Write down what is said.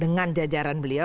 dengan jajaran beliau